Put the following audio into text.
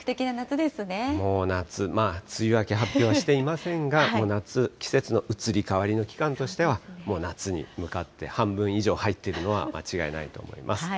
もう夏、梅雨明け発表はしていませんが、もう夏、季節の移り変わりの期間としては、もう夏に向かって半分以上はいっているのは間違いないと思います。